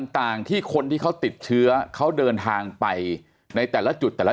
ต่างที่คนที่เขาติดเชื้อเขาเดินทางไปในแต่ละจุดแต่ละ